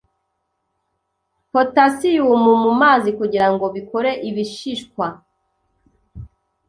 potasiyumu mumazi kugirango bikore ibishishwa